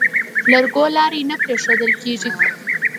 لرګو لارۍ نه پرېښوول کېږي.